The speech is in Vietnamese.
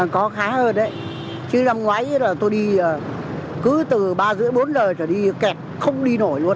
có khá hơn đấy chứ năm ngoái là tôi đi cứ từ ba rưỡi bốn giờ trở đi kẹt không đi nổi luôn